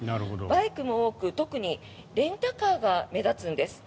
バイクも多く特にレンタカーが目立つんです。